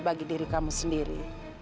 bagi diri kamu sendiri